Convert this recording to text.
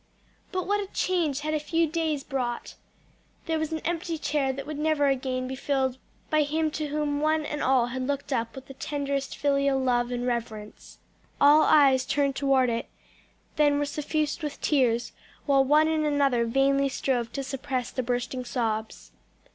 But what a change had a few days brought! There was an empty chair that would never again be filled by him to whom one and all had looked up with the tenderest filial love and reverence. All eyes turned toward it, then were suffused with tears, while one and another vainly strove to suppress the bursting sobs.